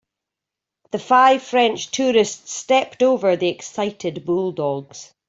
The five French tourists stepped over the excited bulldogs.